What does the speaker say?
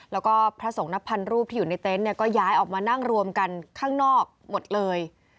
แล้วก็พระสงฆ์นับพันรูปที่อยู่ในเต็นต์ก็ย้ายออกมานั่งรวมกันข้างนอกหมดเลย